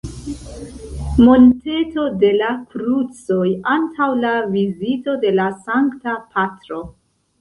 Monteto de la Krucoj antaŭ la vizito de la Sankta Patro.